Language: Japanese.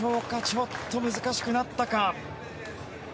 ちょっと難しくなったか。